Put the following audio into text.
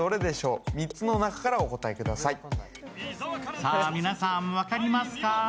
さあ、皆さん、分かりますか？